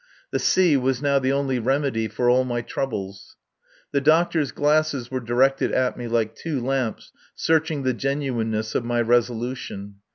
The sea was now the only remedy for all my troubles. The doctor's glasses were directed at me like two lamps searching the genuineness of my resolution.